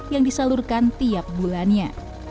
yang disalurkan tiap bulannya